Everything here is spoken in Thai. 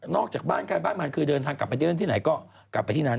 จากบ้านใครบ้านมันคือเดินทางกลับไปเล่นที่ไหนก็กลับไปที่นั้น